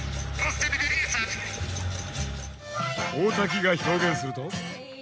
大瀧が表現すると。